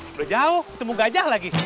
udah jauh ketemu gajah lagi